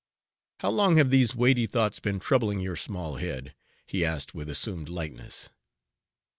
"How long have these weighty thoughts been troubling your small head?" he asked with assumed lightness.